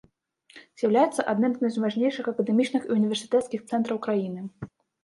З'яўляецца адным з найважнейшых акадэмічных і універсітэцкіх цэнтраў краіны.